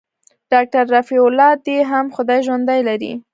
ډاکتر رفيع الله دې هم خداى ژوندى لري.